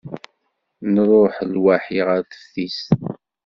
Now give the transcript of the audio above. Nruḥ lwaḥi ɣer teftist.